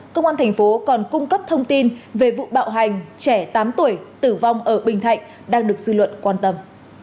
công an thành phố còn cung cấp thông tin về vụ bạo hành trẻ tám tuổi tử vong ở bình thạnh đang được dư luận quan tâm